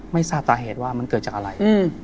ไม่ทราบสาเหตุว่ามันเกิดจากอะไร